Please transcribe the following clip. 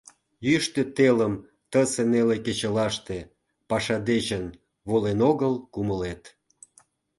Йӱштӧ телым Тысе неле кечылаште Паша дечын Волен огыл кумылет.